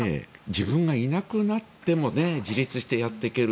自分がいなくなっても自立してやっていける。